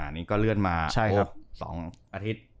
นี่ก็เลื่อนมา๒อาทิตย์